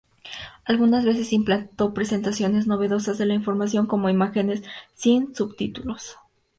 Algunas veces implantó presentaciones novedosas de la información, como imágenes sin subtítulos.